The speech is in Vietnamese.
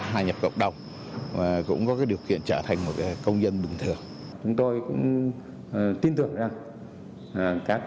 managers doanh nghiệp và các ngành việc của professionalstar